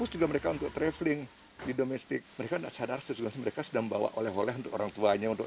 juga mereka untuk traveling di domestik mereka sudah membawa oleh oleh untuk orangtuanya untuk